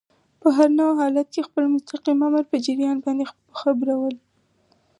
په هر نوع حالت کي خپل مستقیم آمر په جریان باندي خبرول.